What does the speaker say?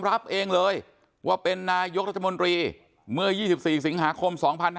รับเองเลยว่าเป็นนายกรัฐมนตรีเมื่อ๒๔สิงหาคม๒๕๕๙